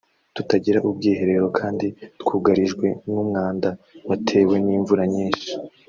tutagira ubwiherero kandi twugarijwe n’umwanda watewe n’imvura nyinshi